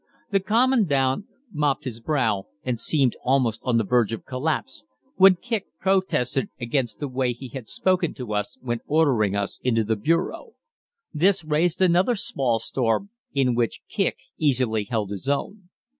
The Commandant mopped his brow and seemed almost on the verge of collapse, when Kicq protested against the way he had spoken to us when ordering us into the bureau. This raised another small storm, in which Kicq easily held his own.